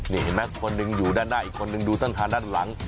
นี่เห็นไหมคนหนึ่งอยู่ด้านหน้าอีกคนนึงดูต้นทางด้านหลัง